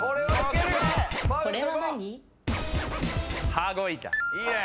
羽子板。